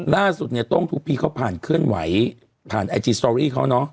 ล่าสุดเนี้ยต้มทุกพีค์เขาผ่านเคลื่อนไหวผ่านเนอะ